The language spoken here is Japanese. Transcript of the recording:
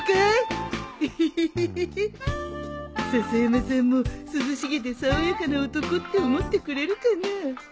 笹山さんも涼しげで爽やかな男って思ってくれるかな？